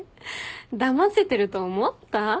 だませてると思った？